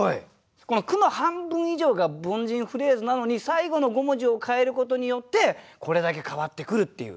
この句の半分以上が凡人フレーズなのに最後の５文字を変えることによってこれだけ変わってくるっていう。